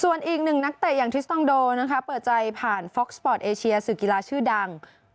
ส่วนอีกหนึ่งนักเตะอย่างทิสตองโดนะคะเปิดใจผ่านฟ็อกสปอร์ตเอเชียสื่อกีฬาชื่อดัง